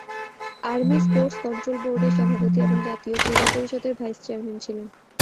Army sports control বোর্ডের সভাপতি এবং জাতীয় ক্রীড়া পরিষদের ভাইস চেয়ারম্যান ছিলেন।